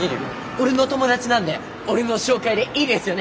俺の友達なんで俺の紹介でいいですよね？